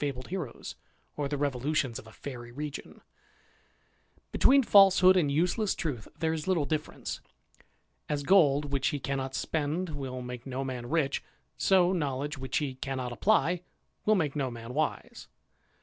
bled heroes, or the revolutions of a fairy region. Between falsehood and useless truth there is little difference. As gold which he cannot spend will make no man rich, so knowledge which he cannot apply will make no man wise.